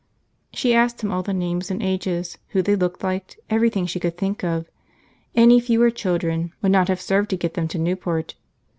She asked him all the names and ages, who they looked like, everything she could think of. Any fewer children would not have served to get them to Newport.